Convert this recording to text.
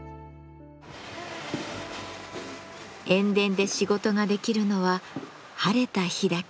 塩田で仕事ができるのは晴れた日だけ。